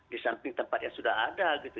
di samping tempat yang sudah ada gitu